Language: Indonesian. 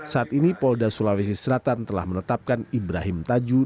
saat ini polda sulawesi selatan telah menetapkan ibrahim tajuh